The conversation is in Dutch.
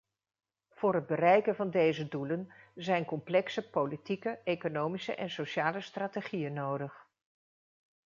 Voor het bereiken van deze doelen zijn complexe politieke, economische en sociale strategieën nodig.